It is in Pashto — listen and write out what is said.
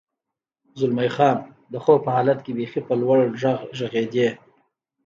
زلمی خان: د خوب په حالت کې بېخي په لوړ غږ غږېدې.